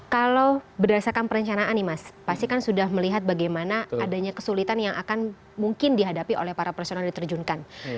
kalau berdasarkan perencanaan nih mas pasti kan sudah melihat bagaimana adanya kesulitan yang akan mungkin dihadapi oleh para personel diterjunkan